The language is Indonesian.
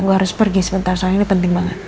gue harus pergi sebentar saya ini penting banget